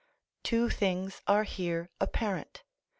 Two things are here apparent.